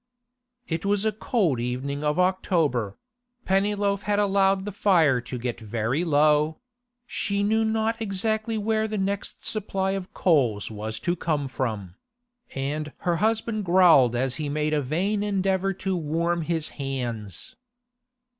It was a cold evening of October; Pennyloaf had allowed the fire to get very low (she knew not exactly where the next supply of coals was to come from), and her husband growled as he made a vain endeavour to warm his hands.